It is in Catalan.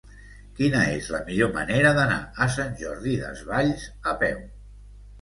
Quina és la millor manera d'anar a Sant Jordi Desvalls a peu?